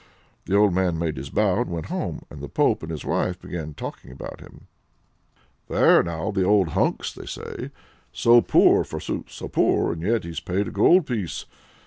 The old man made his bow, and went home, and the pope and his wife began talking about him. "There now, the old hunks!" they say. "So poor, forsooth, so poor! And yet he's paid a gold piece.